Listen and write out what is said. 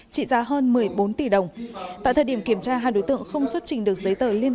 trị giá hơn một mươi bốn tỷ đồng tại thời điểm kiểm tra hai đối tượng không xuất trình được giấy tờ liên